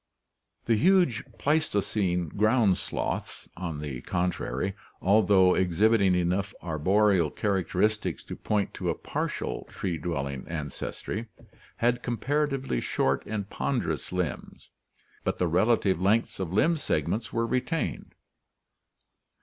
The huge Pleistocene ground sloths, on the contrary, although exhibiting enough arboreal characteristics to point to a partial tree dwelling ancestry, had comparatively short and ponderous limbs, but the relative lengths of limb segments were retained.